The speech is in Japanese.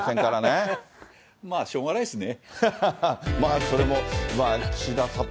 しょうがないですね。